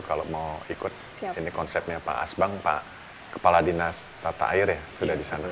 kalau mau ikut ini konsepnya pak asbang pak kepala dinas tata air ya sudah di sana